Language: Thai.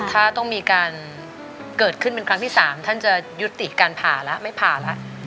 ถ้าต้องมีการเกิดขึ้นเป็นครั้งที่๓ท่านจะยุติการผ่าแล้วไม่ผ่าแล้ว